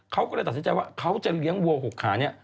เขาก็เลยตัดสินใจว่าเขาจะเลี้ยงวัว๖ขาเนี่ย